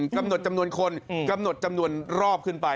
กำหนดจำนวนคนกำหนดจำนวนรอบขึ้นไป